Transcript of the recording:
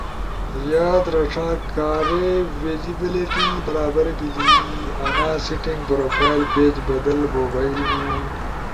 یاد رݜا: کارے ویسیبیلیٹی برابر بیلی، انا سیٹینگ پروفائل پیج بدل بو بھئینو